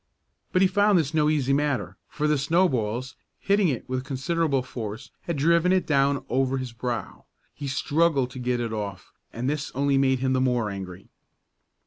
But he found this no easy matter, for the snowballs, hitting it with considerable force, had driven it down over his brow. He struggled to get it off and this only made him the more angry.